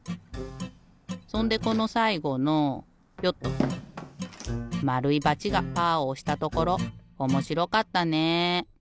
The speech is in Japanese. そんでこのさいごのよっとまるいバチがパーをおしたところおもしろかったね。